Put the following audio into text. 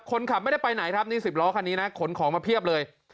คนขับไม่ได้ไปไหนครับนี่๑๐ล้อคันนี้นะขนของมาเพียบเลย